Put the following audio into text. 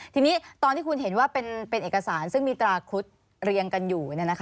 ทีนี้ตอนที่คุณเห็นว่าเป็นเอกสารซึ่งมีตราครุฑเรียงกันอยู่